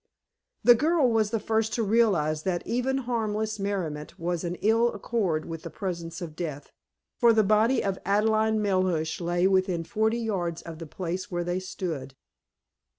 The girl was the first to realize that even harmless merriment was in ill accord with the presence of death, for the body of Adelaide Melhuish lay within forty yards of the place where they stood.